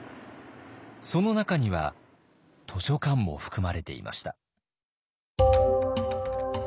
その中には図書館も含まれていました。